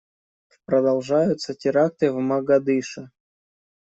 Продолжаются теракты в Могадишо.